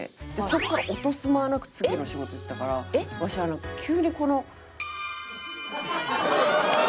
そこから落とす間なく次の仕事行ったからワシ急にこの。